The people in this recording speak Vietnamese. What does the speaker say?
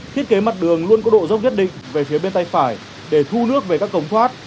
thiết kế mặt đường luôn có độ dốc nhất định về phía bên tay phải để thu nước về các cống thoát